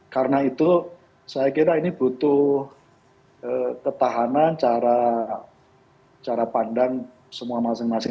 karena itu saya kira ini butuh ketahanan cara pandang semua masing masing